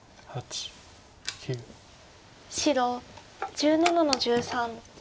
白１７の十三。